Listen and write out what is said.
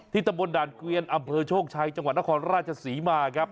ที่ตะบนด่านเกวียนอโชกชัยจังหวัดนครราชสีมาครับ